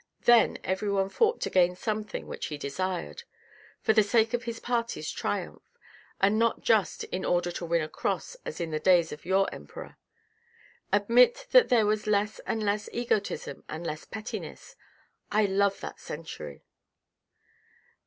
" Then everyone fought to gain something which he desired, for the sake of his party's triumph, and not just in order to win a cross as in the days of your emperor. Admit that there was then less egotism and less pettiness. I love that century."